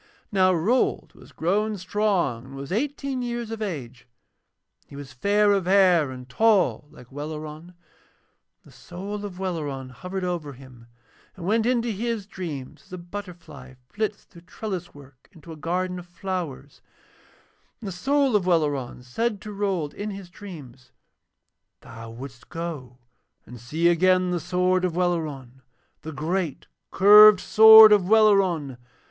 Now Rold was grown strong and was eighteen years of age, and he was fair of hair and tall like Welleran, and the soul of Welleran hovered over him and went into his dreams as a butterfly flits through trellis work into a garden of flowers, and the soul of Welleran said to Rold in his dreams: 'Thou wouldst go and see again the sword of Welleran, the great curved sword of Welleran.